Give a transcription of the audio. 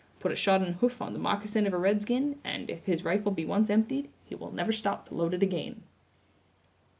Put a shodden hoof on the moccasin of a red skin, and, if his rifle be once emptied, he will never stop to load it again."